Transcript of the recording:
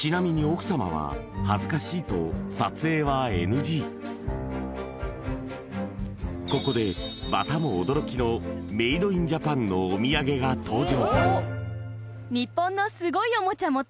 ちなみにここでまたも驚きのメイドインジャパンのお土産が登場